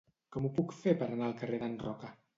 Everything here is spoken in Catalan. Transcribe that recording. Com ho puc fer per anar al carrer d'en Roca?